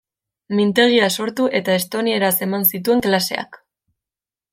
Mintegia sortu eta estonieraz eman zituen klaseak.